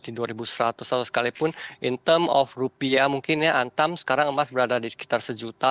saya kira emas akan menanggung dua ribu seratus sekalipun in term of rupiah mungkin ya antam sekarang emas berada di sekitar sejuta